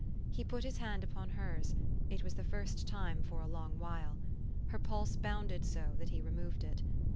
He put his hand upon hers : it was the first time for a long while. Her pulse bounded so that he removed it.